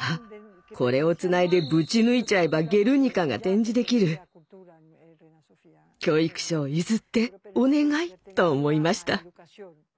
あっこれをつないでぶち抜いちゃえば「ゲルニカ」が展示できる。と思いました。